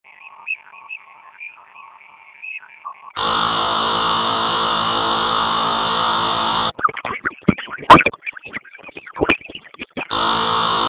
Taldeak Altamira estadioa futbol zelaian jokatzen ditu etxeko partidak.